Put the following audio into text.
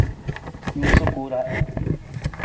Nuusa ku ra.